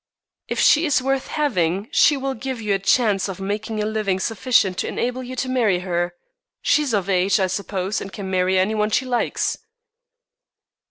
"If she is worth having she will give you a chance of making a living sufficient to enable you to marry her. She is of age, I suppose, and can marry any one she likes."